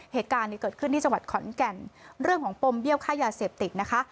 เหตุการณ์นี้เกิดขึ้นที่จังหวัดขอนแก่นเรื่องของปมเบี้ยวค่ายาเสพติดนะคะ